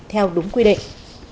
theo đúng quy định